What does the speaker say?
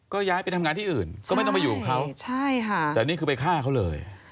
ก็ย้ายไปทำงานที่อื่นก็ไม่ต้องไปอยู่กับเขาใช่ค่ะแต่นี่คือไปฆ่าเขาเลย